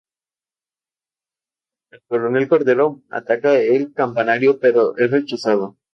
Ninguna de estas obras se ha conservado, pero muchos escritores posteriores las citan.